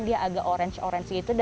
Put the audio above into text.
dia agak orange orange gitu